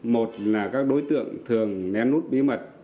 một là các đối tượng thường nén lút bí mật